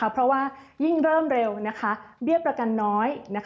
เพราะว่ายิ่งเริ่มเร็วเบี้ยประกันน้อย